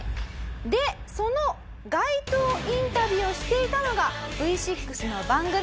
でその街頭インタビューをしていたのがＶ６の番組。